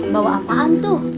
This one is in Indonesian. bawa apaan tuh